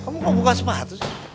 kamu mau buka smartphone